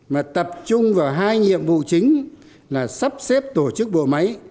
mà tập trung vào hai nhiệm vụ chính là sắp xếp tổ chức bộ máy